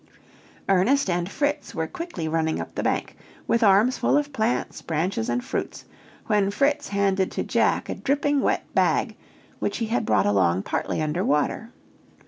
Ernest and Fritz were quickly running up the bank, with arms full of plants, branches, and fruits, when Fritz handed to Jack a dripping wet bag which he had brought along partly under water.